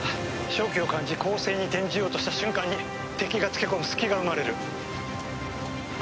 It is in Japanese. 勝機を感じ攻勢に転じようとした瞬間に敵がつけ込む隙が生まれる。